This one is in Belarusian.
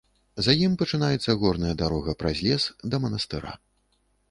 За ім пачынаецца горная дарога праз лес, да манастыра.